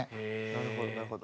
なるほどなるほど。